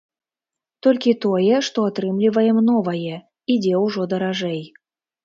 Толькі тое, што атрымліваем новае, ідзе ўжо даражэй.